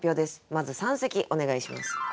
まず三席お願いします。